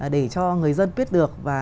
để cho người dân biết được và